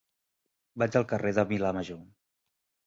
Vaig al carrer de Vilamajor.